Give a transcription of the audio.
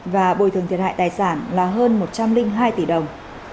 và bồi thường thiệt hại tài sản là hơn một trăm linh hai tỷ đồng